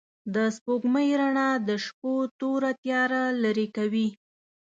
د سپوږمۍ رڼا د شپو توره تياره لېرې کوي.